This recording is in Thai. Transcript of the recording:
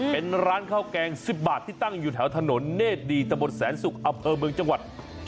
เป็นร้านข้าวแกง๑๐บาทที่ตั้งแถวถนนเน่ด